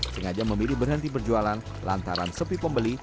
sengaja memilih berhenti berjualan lantaran sepi pembeli